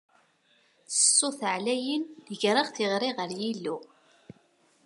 S ṣṣut ɛlayen, greɣ tiɣri ɣer Yillu.